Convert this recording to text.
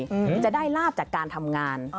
จะได้ลาบจากการทำงาน